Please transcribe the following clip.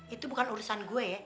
itu bukan urusan gue ya